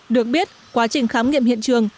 được biết quá trình khám nghiệm hiện trường